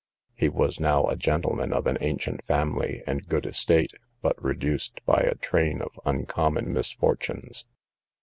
He was now a gentleman of an ancient family and good estate, but reduced by a train of uncommon misfortunes.